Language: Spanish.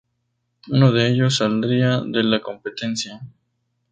Uno de ellos saldría de la competencia.